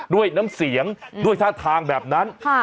ด้วยน้ำเสียงด้วยท่าทางแบบนั้น